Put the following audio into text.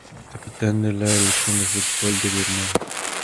Capitán de la Selección de fútbol de Vietnam.